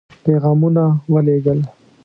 پيغامونه ولېږل.